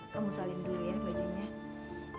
kamu salin dulu ya bajunya